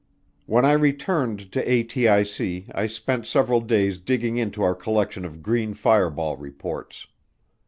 When I returned to ATIC I spent several days digging into our collection of green fireball reports.